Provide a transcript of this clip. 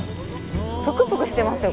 ぷくぷくしてますよ